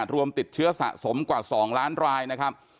รวมติดเชื้อสะสมกว่า๒ล้านรายนะครับ